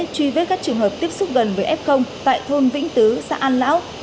truy vết các trường hợp tiếp xúc gần với f tại thôn vĩnh tứ xã an lão